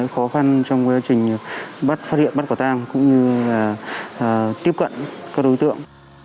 khó khăn trong quá trình bắt phát hiện bắt quả tang cũng như là tiếp cận các đối tượng